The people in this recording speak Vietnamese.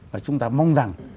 và chúng ta mong rằng